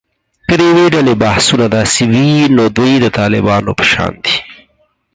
که د یوې ډلې بحثونه داسې وي، نو دوی د طالبانو په شان دي